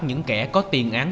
những kẻ có tiền án